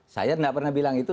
saya tidak pernah bilang itu